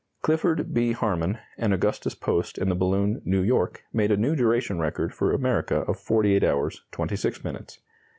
Clifford B. Harmon and Augustus Post in the balloon "New York" made a new duration record for America of 48 hours 26 minutes.